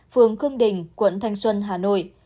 phường khương đình quận thanh xuân hà nội